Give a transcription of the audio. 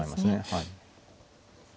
はい。